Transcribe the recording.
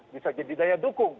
bisa jadi daya dukung